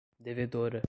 devedora